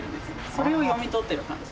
それを読み取ってる感じです。